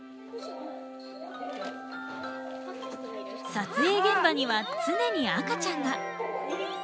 撮影現場には常に赤ちゃんが。